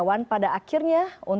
lalu benarkah pengangkatan m iryawan